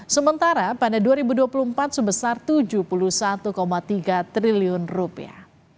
sementara pada dua ribu dua puluh empat sebesar tujuh puluh satu tiga triliun rupiah